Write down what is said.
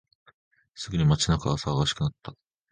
すぐに街中は騒がしくなった。